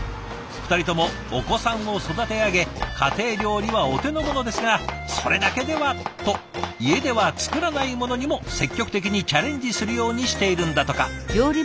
２人ともお子さんを育て上げ家庭料理はお手の物ですがそれだけではと家では作らないものにも積極的にチャレンジするようにしているんだとか。